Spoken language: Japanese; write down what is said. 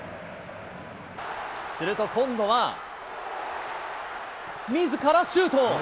すると今度は、みずからシュート。